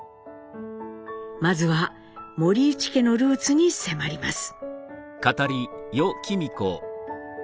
まずは森内家のルーツに迫ります。